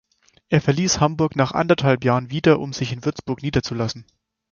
Er verließ Hamburg nach anderthalb Jahren wieder, um sich in Würzburg niederzulassen.